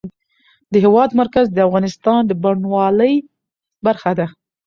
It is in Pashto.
د هېواد مرکز د افغانستان د بڼوالۍ برخه ده.